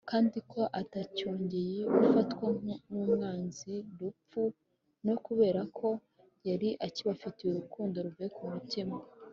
kandi ko atacyongeye gufatwa n’umwanzi rupfu; no kubereka ko yari akibafitiye urukundo ruvuye ku mutima